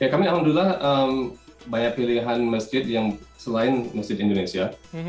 kami alhamdulillah banyak pilihan masjid yang selain masjid indonesia